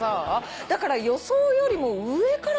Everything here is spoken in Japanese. だから予想よりも上からこう描いて。